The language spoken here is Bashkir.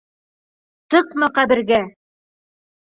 Тыҡма ҡәбергә!